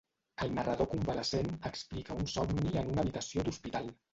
El narrador convalescent explica un somni en una habitació d'hospital.